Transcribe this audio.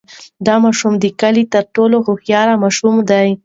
دا ماشوم د کلي تر ټولو هوښیار ماشوم دی.